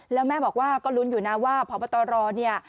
แล้วแม่บอกว่าก็ลุ้นอยู่นะว่าพบตรเนี่ย